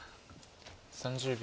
３０秒。